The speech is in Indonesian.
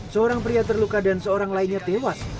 seorang pria terluka dan seorang lainnya tewas